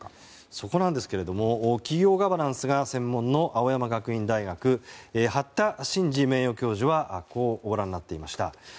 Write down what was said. そこですが企業ガバナンスが専門の青山学院大学八田進二名誉教授はこうご覧になっていました。